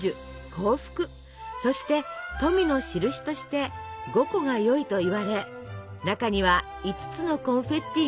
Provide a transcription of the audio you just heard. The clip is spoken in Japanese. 幸福そして富のしるしとして５個がよいといわれ中には５つのコンフェッティが入っています。